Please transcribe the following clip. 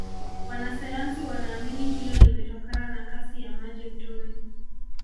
wanasayansi wanaamini hilo limetokana na Kasi ya maji mtoni